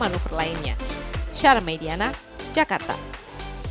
dan di warna biru ini adalah kecepatan yang dihargai